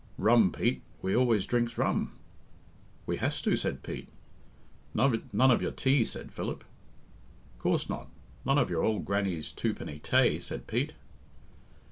"Rum, Pete, we always drinks rum." "We has to," said Pete. "None of your tea," said Philip. "Coorse not, none of your ould grannie's two penny tay," said Pete.